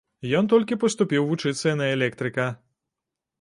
Ён толькі паступіў вучыцца на электрыка.